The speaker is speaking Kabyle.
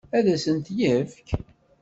Ad asent-t-yefk?